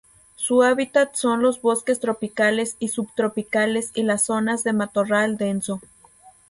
Su hábitat son los bosques tropicales y subtropicales y las zonas de matorral denso.